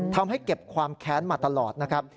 ทำให้เก็บความแค้นมาตลอดนะครับ